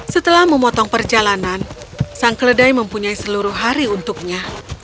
setelah memotong perjalanan sang keledai mempunyai seluruh hari untuknya